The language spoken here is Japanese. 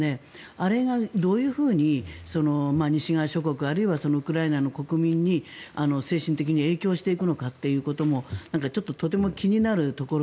あれがどういうふうに西側諸国あるいはウクライナの国民に精神的に影響していくのかということもちょっととても気になるところ。